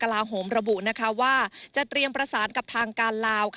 ลาโหมระบุว่าจะเตรียมประสานกับทางการลาว